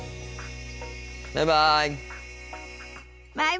バイバイ。